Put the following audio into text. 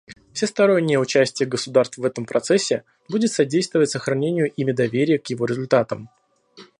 Всестороннее участие государств в этом процессе будет содействовать сохранению ими доверия к его результатам.